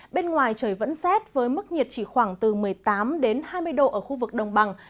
bên ngoài trời vẫn rét với mức nhiệt chỉ khoảng từ một mươi tám hai mươi độ ở khu vực đồng bằng